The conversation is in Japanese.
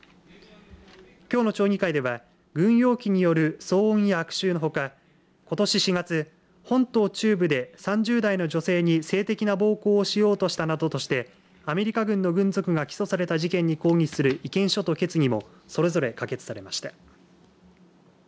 きょうの町議会では軍用機による騒音や悪臭のほかことし４月、本島中部で３０代の女性に性的な暴行をしようとしたなどとしてアメリカ軍の軍属が起訴された事件に抗議する意見書と決議もそれぞれ可決されました。